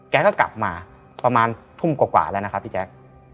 แกก็กลับมาประมาณทุ่มกว่าแล้วนะครับพี่แจ๊ค